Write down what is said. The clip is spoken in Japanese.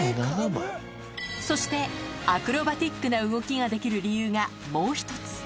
そして、アクロバティックな動きができる理由がもう１つ。